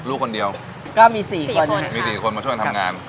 ลูกคนเดียวก็มีสี่คนสี่คนมีสี่คนมาช่วยกันทำงานครับ